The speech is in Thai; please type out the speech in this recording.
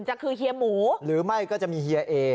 จะคือเฮียหมูหรือไม่ก็จะมีเฮียเอ